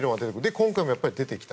今回も出てきた。